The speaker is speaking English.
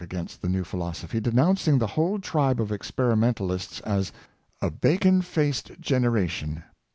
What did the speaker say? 451 against the new philosophy, denouncing the whole tribe of experimentalists as a "Bacon faced generation."